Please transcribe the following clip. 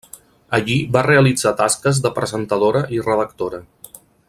Allí va realitzar tasques de presentadora i redactora.